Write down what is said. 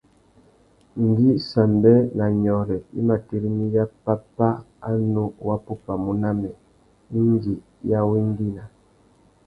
Ngüi Sambê na Nyôrê i mà tirimiya pápá a nù wapupamú na mê, indi i awengüina.